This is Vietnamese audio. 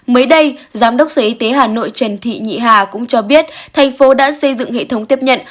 mới đây giám đốc sở y tế hà nội trần thị nhị hà cũng cho biết thành phố đã xây dựng hệ thống tiếp nhận